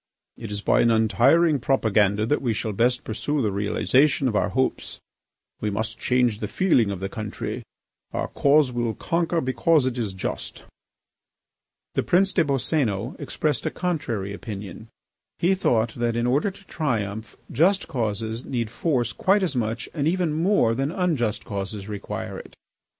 It is by an untiring propaganda that we shall best pursue the realisation of our hopes. We must change the feeling of the country. Our cause will conquer because it is just." The Prince des Boscénos expressed a contrary opinion. He thought that, in order to triumph, just causes need force quite as much and even more than unjust causes require it.